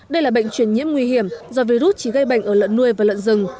đây là bệnh truyền nhiễm nguy hiểm do virus chỉ gây bệnh ở lợn nuôi và lợn rừng